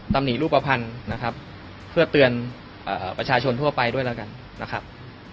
ตำหนิรูปภัณฑ์นะครับเพื่อเตือนประชาชนทั่วไปด้วยแล้วกันนะครับ